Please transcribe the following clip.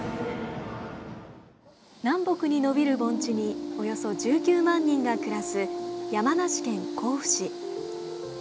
南北に延びる盆地におよそ１９万人が暮らす山梨県甲府市。